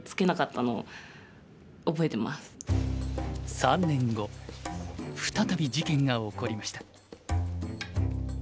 ３年後再び事件が起こりました。